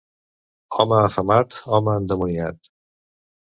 Home afamat, home endimoniat.